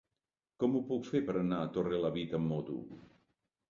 Com ho puc fer per anar a Torrelavit amb moto?